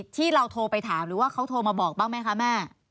ที่เราโทรไปถามหรือว่าเขาโทรมาบอกบ้างไหมคะแม่